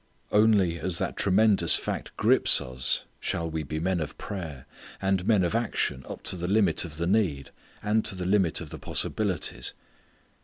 _ Only as that tremendous fact grips us shall we be men of prayer, and men of action up to the limit of the need, and to the limit of the possibilities.